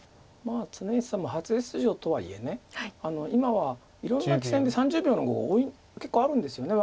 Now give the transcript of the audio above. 常石さんも初出場とはいえ今はいろんな棋戦で３０秒の碁結構あるんですよね。